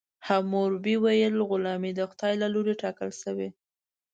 حموربي ویل غلامي د خدای له لورې ټاکل شوې.